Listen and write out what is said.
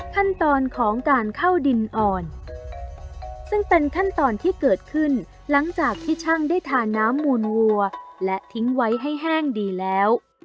ขั้นตอนของการเข้าดินอ่อนซึ่งเป็นขั้นตอนที่เกิดขึ้นหลังจากที่ช่างได้ทาน้ำมูลวัวและทิ้งไว้ให้แห้งดีแล้ว